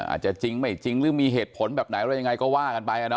อาจจะจริงไม่จริงหรือมีเหตุผลแบบไหนอะไรยังไงก็ว่ากันไป